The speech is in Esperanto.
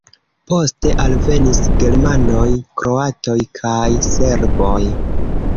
Poste alvenis germanoj, kroatoj kaj serboj.